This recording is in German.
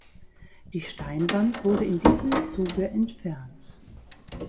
Die Steinwand wurde in diesem Zuge entfernt.